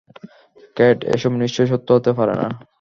Cat, এসব নিশ্চয়ই সত্য হতে পারে না!